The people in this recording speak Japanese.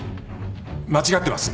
間違ってますよ。